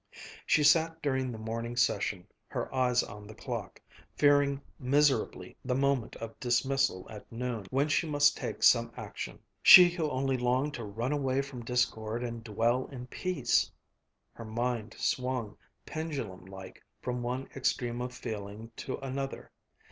She sat during the morning session, her eyes on the clock, fearing miserably the moment of dismissal at noon, when she must take some action she who only longed to run away from discord and dwell in peace. Her mind swung, pendulum like, from one extreme of feeling to another.